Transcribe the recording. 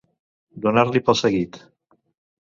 Donar-li pel seguit.